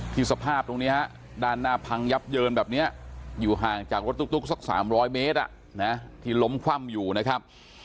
สภาพตรงนี้ฮะด้านหน้าพังยับเยินแบบนี้อยู่ห่างจากรถตุ๊กสัก๓๐๐เมตรที่ล้มคว่ำอยู่นะครับ